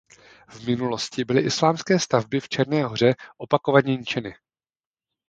V minulosti byly islámské stavby v Černé Hoře opakovaně ničeny.